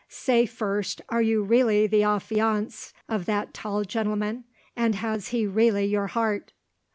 Say, first, are you really the affianced of that tall gentleman, and has he really your heart?"